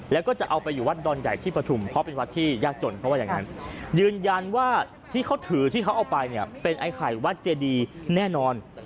แล้วก็จะเอาไปอยู่วัดดอนใหญ่ที่ปฐุมเพราะเป็นวัดที่ยากจนเขาว่าอย่างนั้นยืนยันว่าที่เขาถือที่เขาเอาไปเนี่ยเป็นไอ้ไข่วัดเจดีแน่นอน